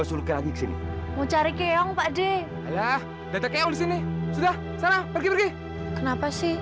sampai jumpa di video selanjutnya